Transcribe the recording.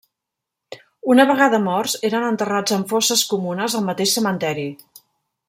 Una vegada morts eren enterrats en fosses comunes al mateix cementeri.